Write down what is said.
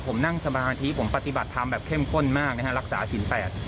ผมนั่งสมาธิผมปฏิบัติธรรมแบบเข้มข้นมากนะฮะรักษาศีลแปด